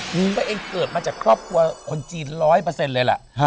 นี่เข่าเองเกิดมาจากครอบครัวคนจีน๑๐๐เลยล่ะ